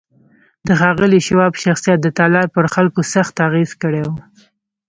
د ښاغلي شواب شخصیت د تالار پر خلکو سخت اغېز کړی و